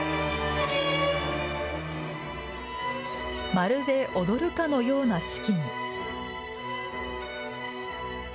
まるで踊るかのような指揮に。